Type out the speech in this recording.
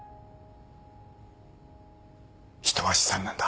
人は資産なんだ。